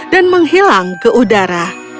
dan menghilang ke udara